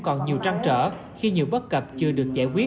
còn nhiều trăng trở khi nhiều bất cập chưa được giải quyết